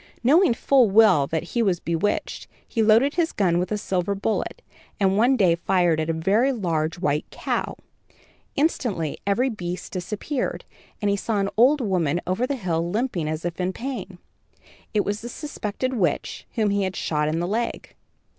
Knowing full well that he was bewitched, he loaded his gun with a silver bullet, and one day fired at a large white cow. Instantly every beast disappeared, and he saw an old woman over the hill limping as if in pain. It was the suspected witch, whom he had shot in the leg.